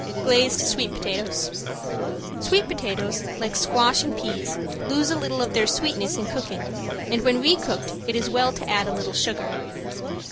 ~GLAZED SWEET POTATOES~ Sweet potatoes, like squash and peas, lose a little of their sweetness in cooking, and when recooked it is well to add a little sugar.